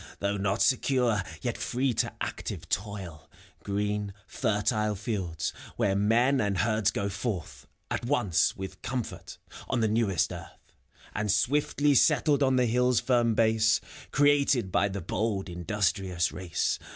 Though not secure, yet free to active toil ; *75reen, fertile fields, where men and herds go forth At once, with comfort, on the newest Earth, And swiftly settled on the hilFs firm base. Created by the bold, industrious race.